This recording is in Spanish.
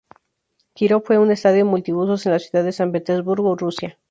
Kirov fue un estadio multiusos en la ciudad de San Petersburgo, Rusia.